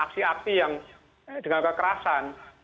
mereka melakukan aksi aksi yang dengan kekerasan